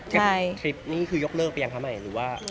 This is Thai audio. คลิปนี้คือยกเลิกไปยังคะใหม่หรือว่า